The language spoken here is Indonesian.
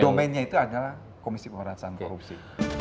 domainnya itu adalah komisi pemerintahan korupsi